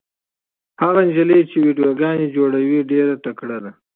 هغه نجلۍ چې ویډیوګانې جوړوي ډېره تکړه ده.